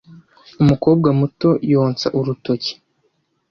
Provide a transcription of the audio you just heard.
Umukobwa muto yonsa urutoki.